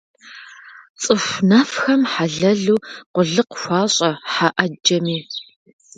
Цӏыху нэфхэм хьэлэлу къулыкъу хуащӏэ хьэ ӏэджэми.